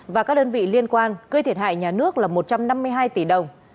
và các đơn vị liên quan gây thiệt hại nhà nước là một trăm năm mươi hai tỷ đồng